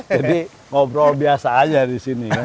jadi ngobrol biasa aja di sini ya